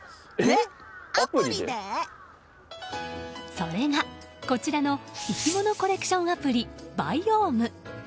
それが、こちらのいきものコレクションアプリバイオーム。